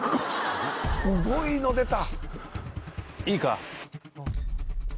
すごいの出た。